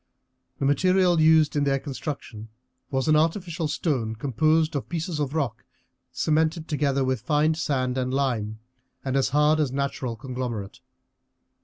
The material used in their construction was an artificial stone composed of pieces of rock cemented together with fine sand and lime, and as hard as natural conglomerate.